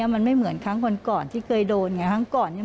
มันไม่เหมือนครั้งก่อนที่เคยโดนไง